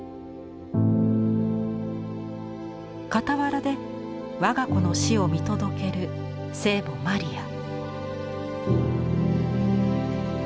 傍らで我が子の死を見届ける聖母マリア。